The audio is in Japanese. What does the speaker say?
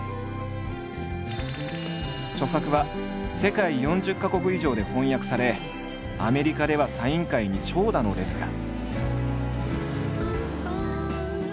著作は世界４０か国以上で翻訳されアメリカではサイン会に長蛇の列が。